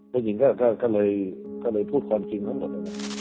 ผู้หญิงก็เลยพูดความจริงทั้งหมด